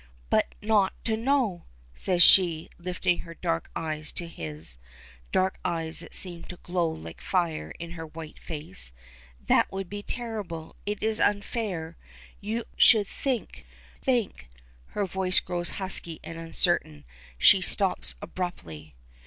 "But not to know!" says she, lifting her dark eyes to his dark eyes that seem to glow like fire in her white face. "That would be terrible. It is unfair. You should think think " Her voice grows husky and uncertain. She stops abruptly.